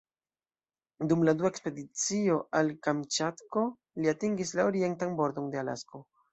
Dum la dua ekspedicio al Kamĉatko, li atingis la orientan bordon de Alasko.